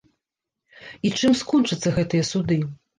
І чым скончацца гэтыя суды?